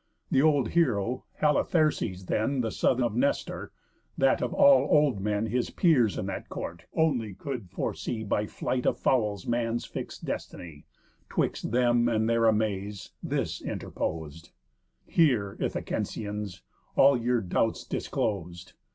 The old heroë, Halitherses, then, The son of Nestor, that of all old men, His peers in that court, only could foresee By flight of fowls man's fixed destiny, 'Twixt them and their amaze, this interpos'd: "Hear, Ithacensians, all your doubts disclos'd.